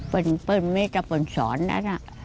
เป็นเบิ่นเมฆจะเป็นสอนนั้น